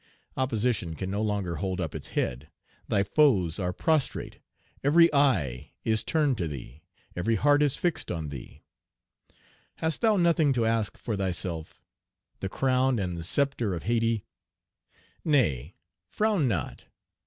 Opposition can no longer hold up its head. Thy foes are prostrate. Every eye is turned to thee. Every heart is fixed on thee. Page 124 Hast thou nothing to ask for thyself? The crown and sceptre of Hayti? Nay, frown not.